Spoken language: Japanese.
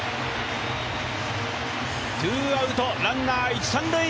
ツーアウトランナー一・三塁。